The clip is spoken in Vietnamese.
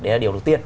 đó là điều đầu tiên